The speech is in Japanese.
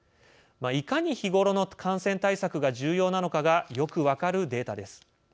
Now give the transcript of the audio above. いかに日頃の感染対策が重要なのかがよく分かるデータです。